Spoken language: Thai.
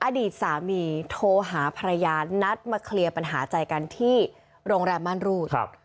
อดีตสามีโทรหาภรรยานัดมาเคลียร์ปัญหาใจกันที่โรงแรมม่านรูด